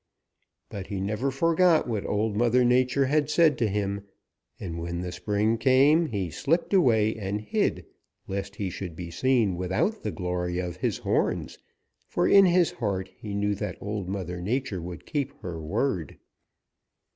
"But he never forgot what Old Mother Nature had said to him, and when the spring came, he slipped away and hid lest he should be seen without the glory of his horns, for in his heart he knew that Old Mother Nature would keep her word.